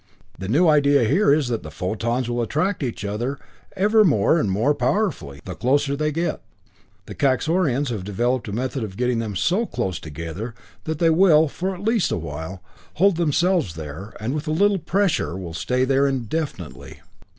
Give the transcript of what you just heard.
The new idea here is that the photons will attract each other ever more and more powerfully, the closer they get. The Kaxorians have developed a method of getting them so close together, that they will, for a while at least, hold themselves there, and with a little 'pressure', will stay there indefinitely.